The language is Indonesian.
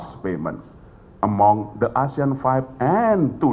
pembayaran cepat di antara asean lima dan hari ini